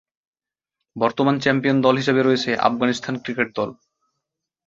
বর্তমান চ্যাম্পিয়ন দল হিসেবে রয়েছে আফগানিস্তান ক্রিকেট দল।